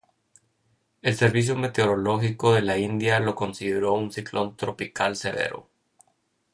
El servicio meteorológico de la India lo consideró un ciclón tropical severo.